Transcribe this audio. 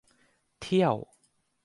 เที่ยว